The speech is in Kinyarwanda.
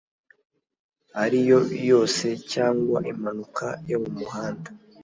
ariyo yose cyangwa impanuka yo mu muhanda